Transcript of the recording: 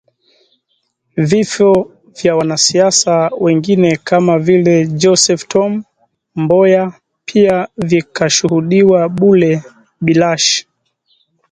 Vifo vya wanasiasa wengine kama vile Joseph Tom Mboya pia vikashuhudiwa bure bilashi